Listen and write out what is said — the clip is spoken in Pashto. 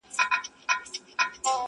o ادب کي دا کيسه پاتې کيږي,